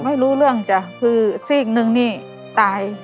ไม่รู้เรื่องจ้ะคือซีกหนึ่งนี่ตาย